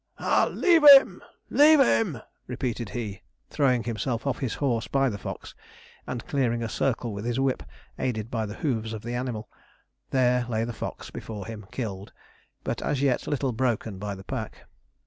'Ah, leave him! leave him!' repeated he, throwing himself off his horse by the fox, and clearing a circle with his whip, aided by the hoofs of the animal. There lay the fox before him killed, but as yet little broken by the pack.